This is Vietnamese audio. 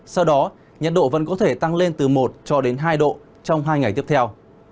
sau đó nhiệt độ vẫn có thể tăng lên từ một cho đến hai độ trong hai ngày tiếp theo